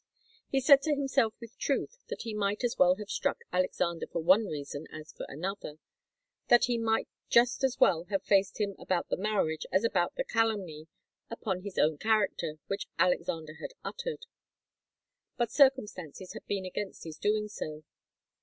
He said to himself with truth that he might as well have struck Alexander for one reason as for another; that he might just as well have faced him about the marriage as about the calumny upon his own character which Alexander had uttered. But circumstances had been against his doing so.